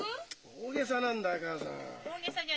大げさなんだよ母さん。